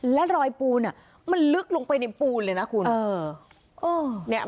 แล้วรอยปูเนี้ยมันลึกลงไปในปูเลยนะคุณเออเออเนี้ย